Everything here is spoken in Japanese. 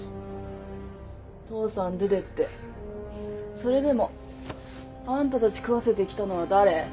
父さん出てってそれでもあんたたち食わせてきたのは誰？